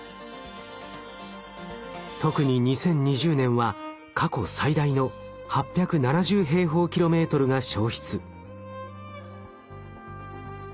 特に２０２０年は過去最大の８７０平方キロメートルが焼失。